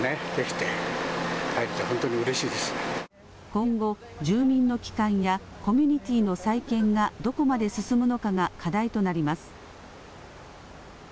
今後、住民の帰還やコミュニティーの再建がどこまで進むのかが課題となります。